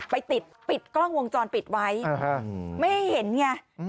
ไปติดปิดกล้องวงจรปิดไว้ไม่ให้เห็นไง